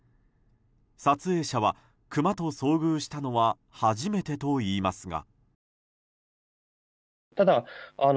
撮影者は、クマと遭遇したのは初めてといいますが。